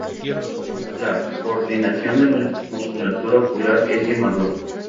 La coordinación de la musculatura ocular es inmadura.